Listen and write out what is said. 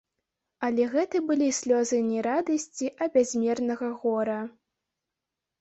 Але гэта былі слёзы не радасці, а бязмернага гора.